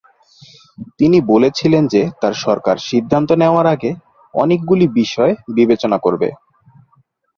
তিনি বলেছিলেন যে তার সরকার সিদ্ধান্ত নেওয়ার আগে "অনেকগুলি বিষয়" বিবেচনা করবে।